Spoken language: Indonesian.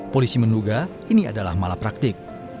polisi menduga ini adalah malapraktik